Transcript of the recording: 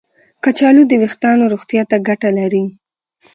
کچالو د ویښتانو روغتیا ته ګټه لري.